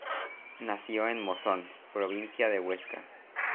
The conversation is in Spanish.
Nació en Monzón, provincia de Huesca.